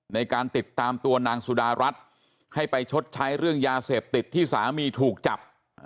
ในการติดตามตัวนางสุดารัฐให้ไปชดใช้เรื่องยาเสพติดที่สามีถูกจับ